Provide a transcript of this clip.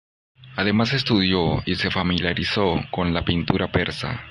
Además, estudió y se familiarizó con la pintura persa.